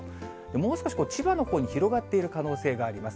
もう少し千葉のほうに広がっている可能性があります。